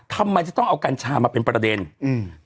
ทำไมจะต้องเอากัญชามาเป็นประเด็นอืม